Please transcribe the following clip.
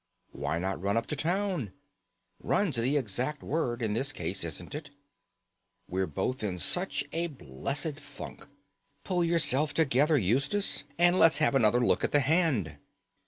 Why not run up to town? Run's the exact word in this case, isn't it? We're both in such a blessed funk. Pull yourself together Eustace, and let's have another look at the hand."